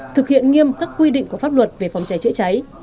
thực hiện nghiêm các quy định của pháp luật về phòng cháy chữa cháy